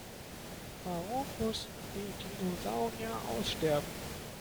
Warum mussten die Dinosaurier aussterben?